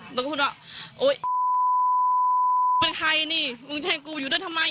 หนูก็พูดว่าโอ๊ยเป็นใครนี่มึงแทงกูอยู่ด้วยทำไม